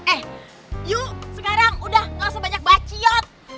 eh yuk sekarang udah gak sebanyak bakiat